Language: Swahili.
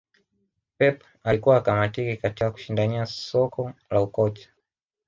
Pep alikuwa hakamatiki katika kushindania soko la ukocha